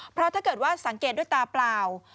เพราะถ้าเกิดว่าสังเกตด้วยตาเปล่า